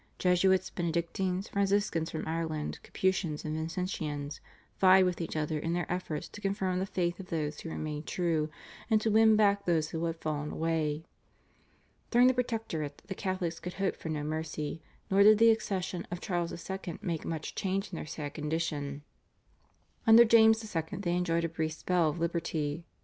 Jesuits, Benedictines, Franciscans from Ireland, Capuchins, and Vincentians vied with each other in their efforts to confirm the faith of those who remained true and to win back those who had fallen away. During the Protectorate the Catholics could hope for no mercy, nor did the accession of Charles II. make much change in their sad condition. Under James II. they enjoyed a brief spell of liberty.